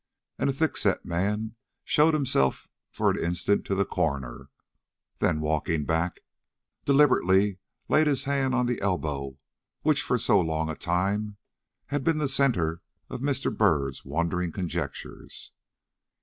And the thick set man showed himself for an instant to the coroner, then walking back, deliberately laid his hand on the elbow which for so long a time had been the centre of Mr. Byrd's wondering conjectures.